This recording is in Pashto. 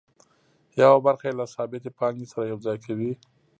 یوه برخه یې له ثابتې پانګې سره یوځای کوي